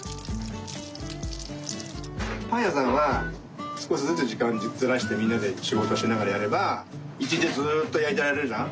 パンやさんはすこしずつじかんずらしてみんなでしごとしながらやればいちにちずっとやいてられるじゃん？